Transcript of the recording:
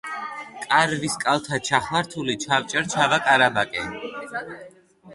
კარვის კალთა ჩახლართული ჩავჭერ ჩავაკარაბაკე